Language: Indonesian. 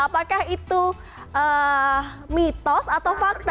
apakah itu mitos atau fakta